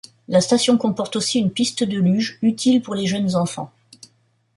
La station comporte aussi une piste de luge, utile pour les jeunes enfants.